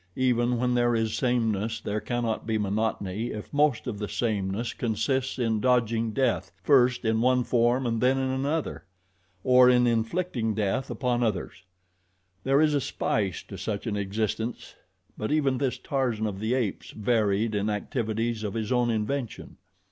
Even where there is sameness there cannot be monotony if most of the sameness consists in dodging death first in one form and then in another; or in inflicting death upon others. There is a spice to such an existence; but even this Tarzan of the Apes varied in activities of his own invention.